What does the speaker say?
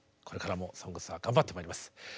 これからも「ＳＯＮＧＳ」は頑張ってまいります。